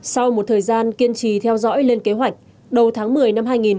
sau một thời gian kiên trì theo dõi lên kế hoạch đầu tháng một mươi năm hai nghìn hai mươi